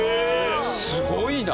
すごいな。